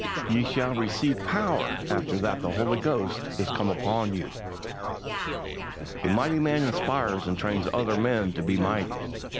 "Ye shall receive power after that the Holy Ghost is come upon you." A mighty man inspires and trains other men to be mighty.